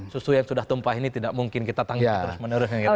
susu yang sudah tumpah ini tidak mungkin kita tangguh terus menerus